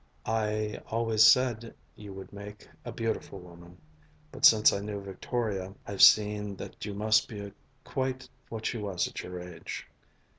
"I always said you would make a beautiful woman. But since I knew Victoria, I've seen that you must be quite what she was at your age."